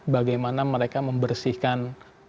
bagaimana mereka membersihkan